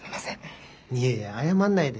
いやいや謝んないで。